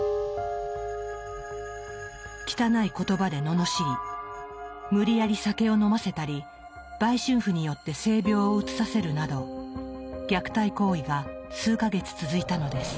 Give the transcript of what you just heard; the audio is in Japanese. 汚い言葉で罵り無理やり酒を飲ませたり売春婦によって性病をうつさせるなど虐待行為が数か月続いたのです。